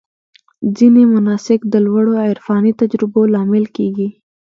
ځینې مناسک د لوړو عرفاني تجربو لامل کېږي.